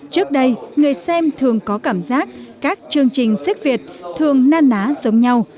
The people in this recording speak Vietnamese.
trước đây người xem thường có cảm giác các chương trình siếc việt thường nan ná giống nhau